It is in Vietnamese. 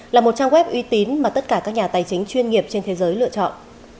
là một trang web uy tín mà tất cả các nhà tài chính chuyên nghiệp trên thế giới lựa chọn